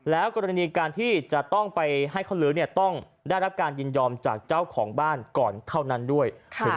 แล้วกรณีการที่จะต้องไปให้เขาลื้อเนี่ยต้องได้รับการยินยอมจากเจ้าของบ้านก่อนเท่านั้นด้วย